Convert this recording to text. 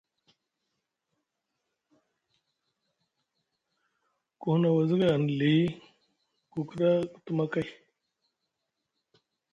Ku huna wazagay hanɗa li ku kiɗa ku tuma kay.